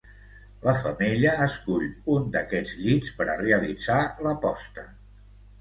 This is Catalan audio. La femella escull un d'aquests llits per a realitzar la posta.